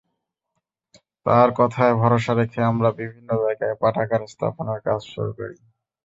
তাঁর কথায় ভরসা রেখে আমরা বিভিন্ন জায়গায় পাঠাগার স্থাপনের কাজ শুরু করি।